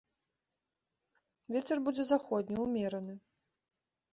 Вецер будзе заходні, умераны.